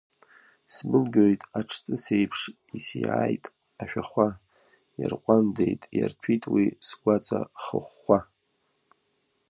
Сбылгьоит аҽҵыс еиԥш исиааит ашәахәа, иарҟәандеит, иарҭәит уи сгәаҵа хыхәхәа.